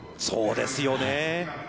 そうですよね。